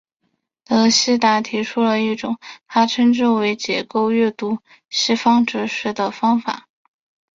德希达提出了一种他称之为解构阅读西方哲学的方法。